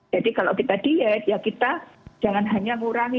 jadi kalau kita diet ya kita jangan hanya ngurangi